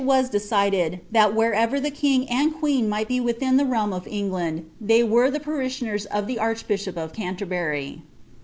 which il was decided, ihat wherever iho king and queen mtglit be wiiliia Uie reidtn of England, they were ihe pariahiuners of the archbishop of Canterbury.